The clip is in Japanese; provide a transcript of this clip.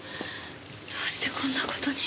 どうしてこんな事に。